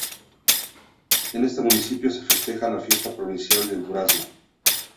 En este Municipio se festeja la Fiesta Provincial del Durazno.